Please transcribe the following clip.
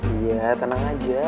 iya tenang aja